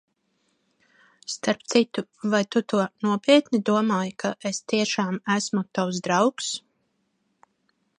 Starp citu, vai tu to nopietni domāji, ka es tiešām esmu tavs draugs?